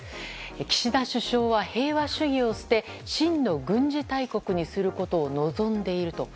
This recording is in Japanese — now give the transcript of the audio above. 岸田首相は平和主義を捨て真の軍事大国にすることを望んでいると。